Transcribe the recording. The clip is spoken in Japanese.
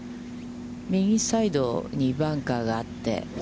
右サイドにバンカーがあって。